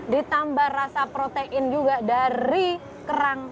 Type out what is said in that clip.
ditambah rasa protein juga dari kerang